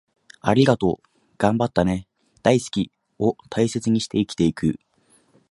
『ありがとう』、『頑張ったね』、『大好き』を大切にして生きていく